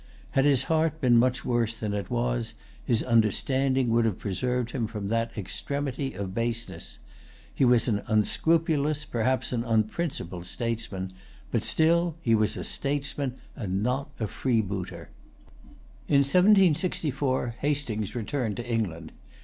Had his heart been much worse than it was, his understanding would have preserved him from that extremity of baseness. He was an unscrupulous, perhaps an unprincipled statesman; but still he was a statesman, and not a freebooter. In 1764 Hastings returned to England.